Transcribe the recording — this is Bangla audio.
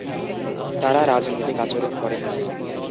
তাঁরা রাজনৈতিক আচরণ করেননি।